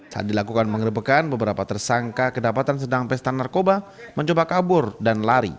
saat dilakukan pengerebekan beberapa tersangka kedapatan sedang pesta narkoba mencoba kabur dan lari